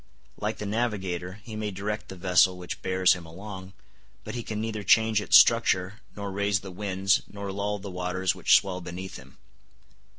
Like the navigator, he may direct the vessel which bears him along, but he can neither change its structure, nor raise the winds, nor lull the waters which swell beneath him.